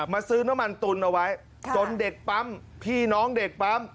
ซื้อน้ำมันตุนเอาไว้จนเด็กปั๊มพี่น้องเด็กปั๊ม